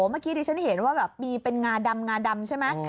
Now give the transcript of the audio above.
เมื่อกี้ดิฉันเห็นว่าแบบมีเป็นงาดำงาดำใช่ไหม